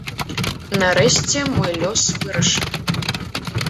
Нарэшце мой лёс вырашаны.